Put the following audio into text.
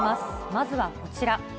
まずはこちら。